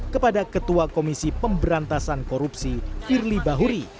kepada ketua komisi pemberantasan korupsi firly bahuri